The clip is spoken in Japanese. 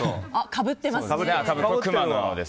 かぶっていますね。